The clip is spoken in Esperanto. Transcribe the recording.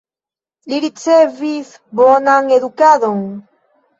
Li ricevis bonan edukadon.